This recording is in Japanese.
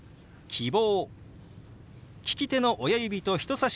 「希望」。